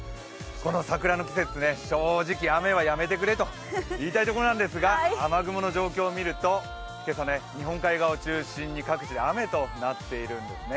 この桜の季節、正直、雨はやめてくれと言いたいところなんですが、雨雲の状況を見ると今朝、日本海側を中心に各地で雨となっているんですね。